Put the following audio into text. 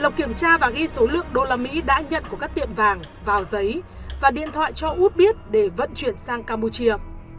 đọc kiểm tra và ghi số lượng đô la mỹ đã nhận của các tiệm vàng vào giấy và điện thoại cho út biết để vận chuyển sang campuchia